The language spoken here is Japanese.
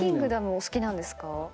お好きなんですか？